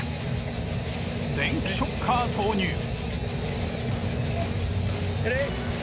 電気ショッカー投入。